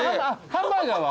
ハンバーガーは？